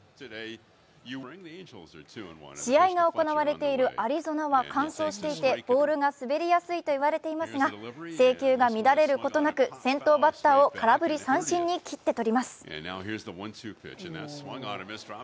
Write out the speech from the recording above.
試合が行われているアリゾナは乾燥していてボールが滑りやすいと言われていますが制球が乱れることなく先頭バッターを空振り三振に切って取ります。